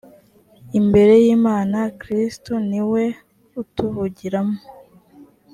imbere y imana kristo ni we utuvugiramo